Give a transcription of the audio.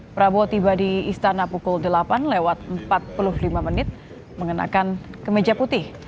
prabowo tiba di istana pukul delapan lewat empat puluh lima menit mengenakan kemeja putih